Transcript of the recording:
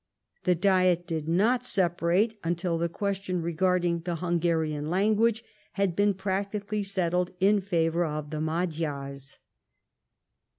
The Diet did not separate until the question regarding the Hungarian language had been practically settled in favour of the Magyars.